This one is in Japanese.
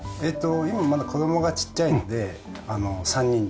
今はまだ子供がちっちゃいので３人で。